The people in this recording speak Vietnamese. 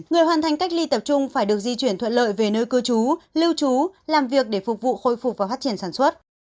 người hoàn thành cách ly tập trung phải được di chuyển thuận lợi về nơi cư trú lưu trú làm việc để phục vụ khôi phục và phát triển sản xuất